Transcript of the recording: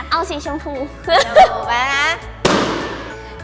เอาสีชมพูไปนะ